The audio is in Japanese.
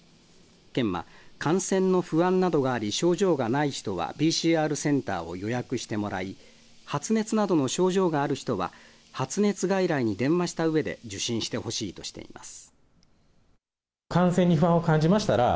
県は感染の不安などがあり症状がない人はＰＣＲセンターを予約してもらい発熱などの症状がある人は発熱外来に電話したうえで受診してほしいとしています。